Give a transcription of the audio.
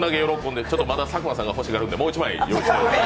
まだ佐久間さんが欲しがるんで、もう一枚用意しています。